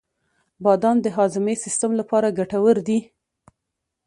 • بادام د هاضمې سیسټم لپاره ګټور دي.